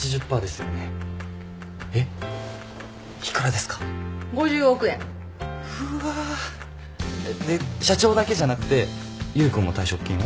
で社長だけじゃなくて優君も退職金を？